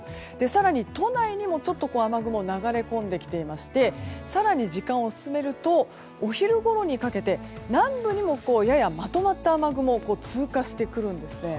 更に、都内にもちょっと雨雲が流れ込んできていまして更に時間を進めるとお昼ごろにかけて南部にも、ややまとまった雨雲が通過してくるんですね。